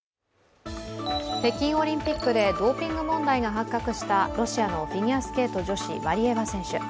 北京オリンピックでドーピング問題が発覚したロシアのフィギュアスケート女子、ワリエワ選手。